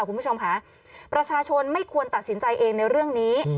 คุณผู้ชมค่ะประชาชนไม่ควรตัดสินใจเองในเรื่องนี้